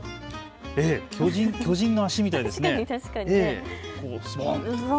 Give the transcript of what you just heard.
巨人の足みたいですね。